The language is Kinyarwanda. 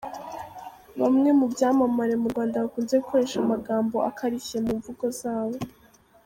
Bamwe mu byamamare mu Rwanda bakunze gukoresha amagambo akarishye mu mvugo zabo.